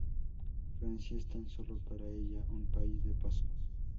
Francia es tan solo para ella un país de paso.